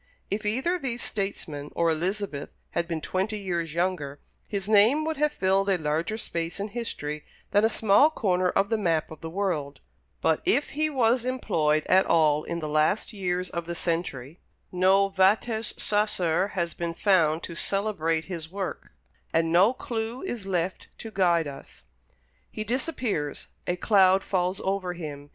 If either these statesmen or Elizabeth had been twenty years younger, his name would have filled a larger space in history than a small corner of the map of the world; but, if he was employed at all in the last years of the century, no vates sacer has been found to celebrate his work, and no clew is left to guide us. He disappears; a cloud falls over him.